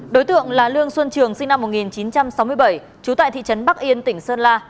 đối tượng là lương xuân trường sinh năm một nghìn chín trăm sáu mươi bảy trú tại thị trấn bắc yên tỉnh sơn la